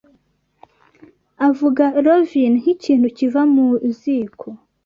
'avuga lovini' nk'ikintu kiva mu ziko"